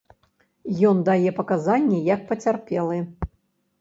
Ён дае паказанні як пацярпелы.